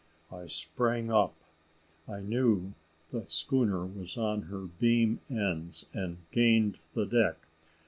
I sprang up. I knew the schooner was on her beam ends, and gained the deck.